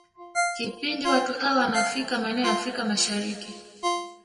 Kipindi watu hawa wanafika maeneo ya Afrika Mashariki